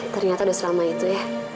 ternyata udah selama itu ya